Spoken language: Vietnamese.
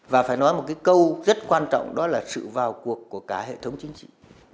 và phải nói một cái câu rất quan trọng đó là sự vào cuộc của cả hệ thống chính trị